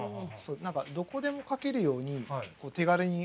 何かどこでも描けるようにこう手軽に持てる。